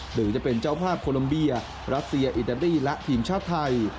หรือจะเป็นเจ้าภาพโคลัมเบียรัสเซียอิตาลีและทีมชาติไทย